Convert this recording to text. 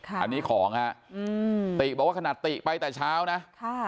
อันนี้ของฮะอืมติบอกว่าขนาดติไปแต่เช้านะค่ะ